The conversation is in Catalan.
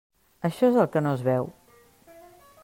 Això és el que no es veu.